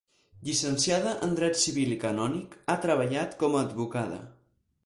Llicenciada en Dret Civil i Canònic, ha treballat com advocada.